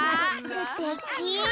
すてき！